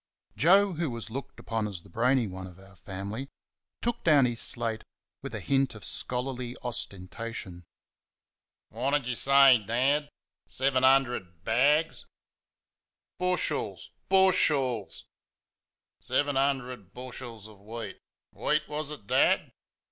Joe, who was looked upon as the brainy one of our family, took down his slate with a hint of scholarly ostentation. "What did y' say, Dad seven 'undred BAGS?" "Bushels! BUSHELS!" "Seven 'un dered bush els of wheat WHEAT was it, Dad?"